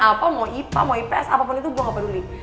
apa mau ipa mau ipes apapun itu gue gak peduli